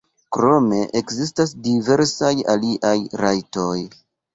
Krome ekzistas diversaj aliaj rajtoj.